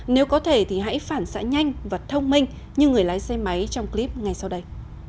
nếu có thể thì hãy phản xã nhanh và thông minh như người lái xe máy trong clip ngay sau đây